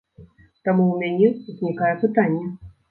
Таму ў мяне ўзнікае пытанне?